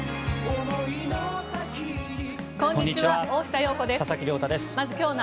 こんにちは。